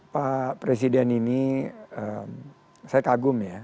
pak presiden ini saya kagum ya